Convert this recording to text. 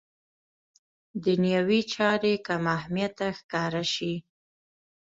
دنیوي چارې کم اهمیته ښکاره شي.